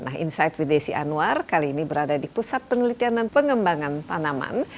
nah insight with desi anwar kali ini berada di pusat penelitian dan pengembangan tanaman